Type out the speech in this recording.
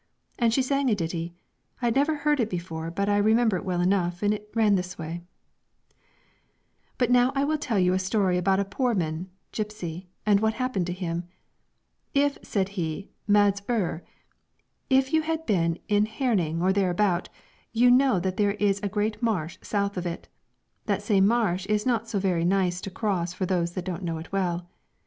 And she sang a ditty I had never heard it before, but I remember it well enough, and it ran this way: But now I will tell you a story about a Poorman [gipsy] and what happened to him. "If," said he Mads Ur "if you have been in Herning or thereabout, you know that there is a great marsh south of it. That same marsh is not so very nice to cross for those that don't know it well.